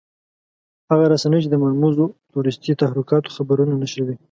هغه رسنۍ چې د مرموزو تروريستي تحرکاتو خبرونه نشروي.